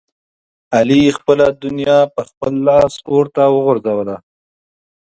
علي خپله دنیا په خپل لاس اورته وغورځوله.